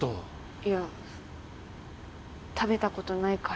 いや食べたことないから。